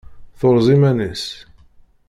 Turez iman-is.